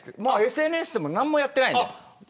ＳＮＳも何もやってない。